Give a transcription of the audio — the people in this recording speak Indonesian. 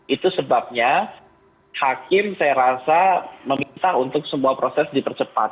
itu sebabnya hakim saya rasa meminta untuk semua proses dipercepat